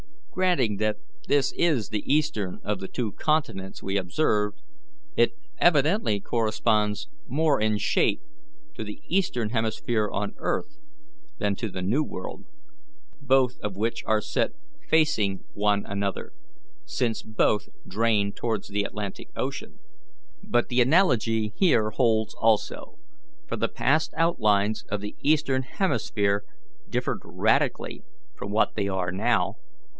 Granting that this is the eastern of the two continents we observed, it evidently corresponds more in shape to the Eastern hemisphere on earth than to the New World, both of which are set facing one another, since both drain towards the Atlantic Ocean. But the analogy here holds also, for the past outlines of the Eastern hemisphere differed radically from what they are now.